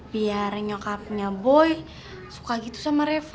biar nyokapnya boy suka gitu sama reva